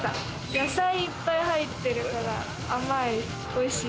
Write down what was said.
野菜いっぱい入ってるから甘い、おいしい。